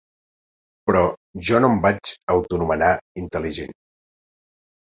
Però jo no em vaig auto nomenar intel·ligent.